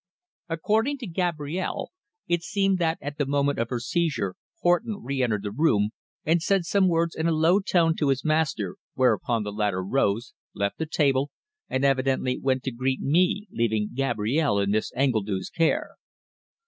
According to Gabrielle, it seemed that at the moment of her seizure Horton re entered the room and said some words in a low tone to his master, whereupon the latter rose, left the table, and evidently went to greet me, leaving Gabrielle in Miss Engledue's care.